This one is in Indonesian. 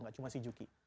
nggak cuma si juki